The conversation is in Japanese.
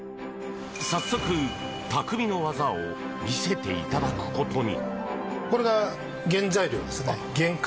早速、匠の技を見せていただくことに。